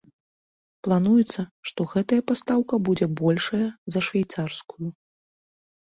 Плануецца, што гэтая пастаўка будзе большая за швейцарскую.